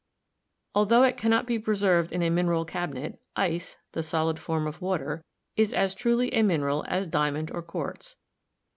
Altho it cannot be preserved in a mineral cabinet, ice, the solid form of water, is as truly a mineral as diamond or quartz.